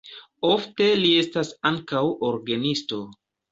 Ofte li estas ankaŭ orgenisto.